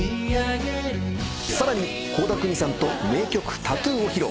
さらに倖田來未さんと名曲『ＴＡＴＴＯＯ』を披露。